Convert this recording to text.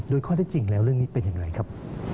โดยข้อได้จริงแล้วเรื่องนี้เป็นอย่างไรครับ